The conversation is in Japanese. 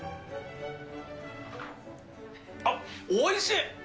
あっ、おいしい。